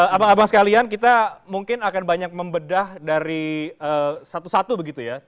abang abang sekalian kita mungkin akan banyak membedah dari satu satu begitu ya